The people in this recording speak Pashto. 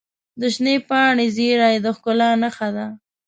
د شنې پاڼې زیرۍ د ښکلا نښه ده.